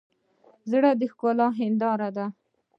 زړه د ښکلا هنداره ده.